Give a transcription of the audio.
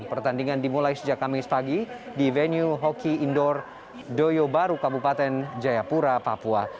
pertandingan dimulai sejak kamis pagi di venue hoki indoor doyobaru kabupaten jayapura papua